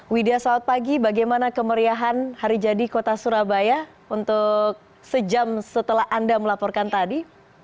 widya selamat pagi bagaimana kemeriahan hari jadi kota surabaya untuk sejam setelah anda melaporkan tadi